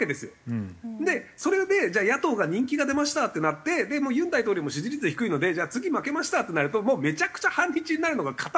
でそれでじゃあ野党が人気が出ましたってなってもう尹大統領も支持率低いのでじゃあ次負けましたってなるともうめちゃくちゃ反日になるのが固まって。